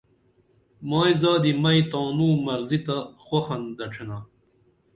مائی زادی مئی تانوں مرضی تہ خون دڇِھنا